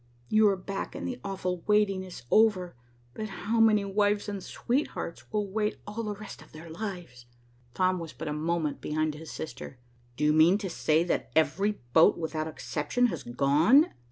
"You are back and the awful waiting is over, but how many wives and sweethearts will wait all the rest of their lives!" Tom was but a moment behind his sister. "Do you mean to say that every boat, without exception, has gone?"